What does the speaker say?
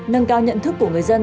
nâng cao nhận thức của người dân